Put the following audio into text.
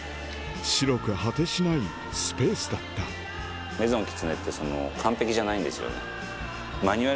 白く果てしないスペースだったＭａｉｓｏｎＫｉｔｓｕｎって完璧じゃないんですよね。